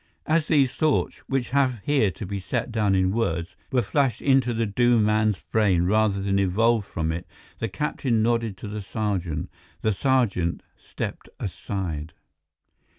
As these thoughts, which have here to be set down in words, were flashed into the doomed man's brain rather than evolved from it the captain nodded to the sergeant. The sergeant stepped aside.